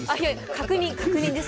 確認確認です。